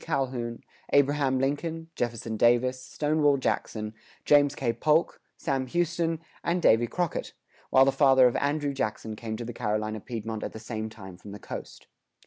Calhoun, Abraham Lincoln, Jefferson Davis, Stonewall Jackson, James K. Polk, Sam Houston, and Davy Crockett, while the father of Andrew Jackson came to the Carolina Piedmont at the same time from the coast.